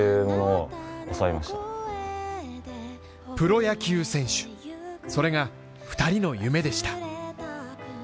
プロ野球選手、それが２人の夢でした